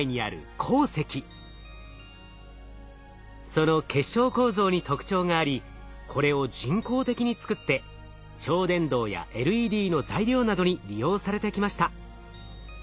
その結晶構造に特徴がありこれを人工的に作って超電導やＬＥＤの材料などに利用されてきました。